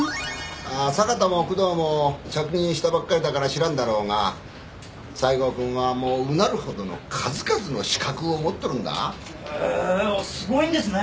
ああ坂田も工藤も着任したばっかりだから知らんだろうが西郷くんはもううなるほどの数々の資格を持っとるんだへぇすごいんですね